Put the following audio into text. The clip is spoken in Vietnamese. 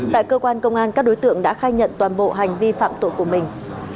tại cơ quan công an các đối tượng đã khai nhận toàn bộ hành vi phạm tội của mình